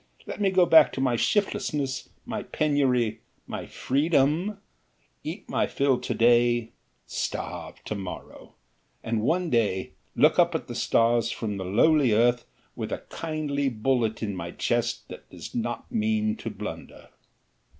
Let me go back to my shiftlessness, my penury, my freedom, eat my fill to day, starve to morrow, and one day look up at the stars from the lowly earth, with a kindly bullet in my chest that does not mean to blunder.